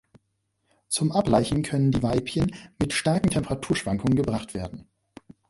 Zum Ablaichen können die Weibchen mit starken Temperaturschwankungen gebracht werden.